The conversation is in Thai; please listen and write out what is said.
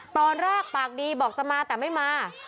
ตอนแรกปากดีบอกจะมาแต่ไม่มา